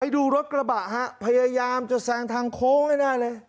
ดูรถกระบะฮะพยายามจะแซงทางโค้งให้แน่เลย